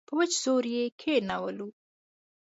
په وچ زور یې کښېنولو.